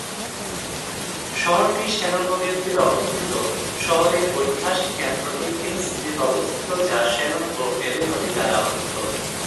শহরটি শ্যানন নদীর তীরে অবস্থিত, শহরের ঐতিহাসিক কেন্দ্রটি কিংস দ্বীপে অবস্থিত, যা শ্যানন ও অ্যাবে নদী দ্বারা আবদ্ধ।